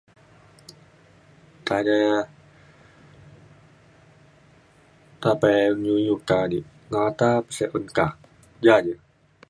nta re. nta pey un iu iu ka dik ngata pe sey un ka ja je.